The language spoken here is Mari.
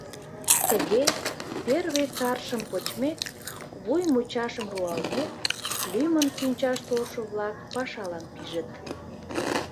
Тыге, первый каршым почмек — вуй мучашым руалмек, — лӱмын кӱнчаш толшо-влак пашалан пижыт.